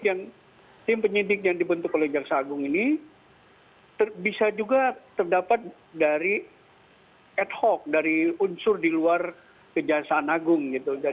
yang tim penyidik yang dibentuk oleh jaksa agung ini bisa juga terdapat dari ad hoc dari unsur di luar kejaksaan agung gitu